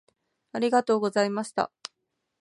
ありがとうございました。